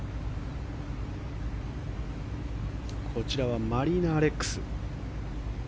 こちらはマリナ・アレックス。